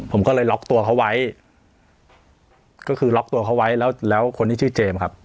ผมก็เลยล็อกตัวเขาไว้ก็คือล็อกตัวเขาไว้แล้วแล้วคนที่ชื่อเจมส์ครับ